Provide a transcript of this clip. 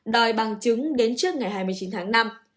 đòi bằng chứng đến trước ngày hai mươi chín tháng năm